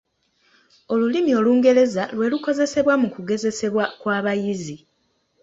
Olulimi Olungereza lwerukozesebwa mu kugezesebwa kw'abayizi.